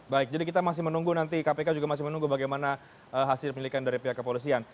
baik jadi kita masih menunggu nanti kpk juga masih menunggu bagaimana hasil penyelidikan dari pihak kepolisian